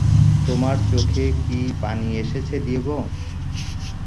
তোমার চোখে কি পানি এসেছে, ডিয়েগো?